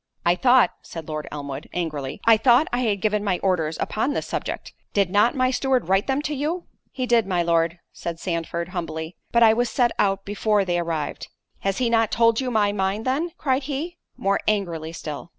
"I thought," said Lord Elmwood, angrily, "I thought I had given my orders upon the subject—did not my steward write them to you?" "He did, my Lord," said Sandford, humbly, "but I was set out before they arrived." "Has he not told you my mind then?" cried he, more angrily still.